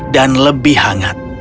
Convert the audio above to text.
dan lebih hangat